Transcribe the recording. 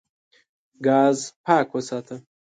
ګاز پاک وساته.